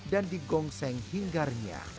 dan digongseng hinggarnya